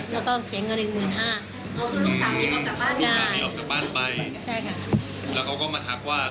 แล้วก็เสียเงินอยู่๑๕๐๐๐บาท